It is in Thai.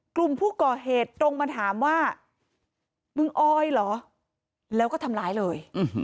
กลุ่มผู้ก่อเหตุตรงมาถามว่ามึงออยเหรอแล้วก็ทำร้ายเลย